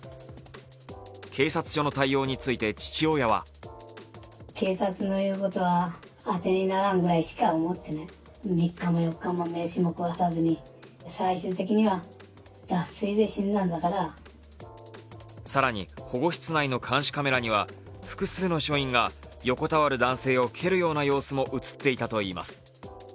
警察署の対応について父親は更に保護室内の監視カメラには複数の署員が横たわる男性を蹴るような様子も映っていたといいます。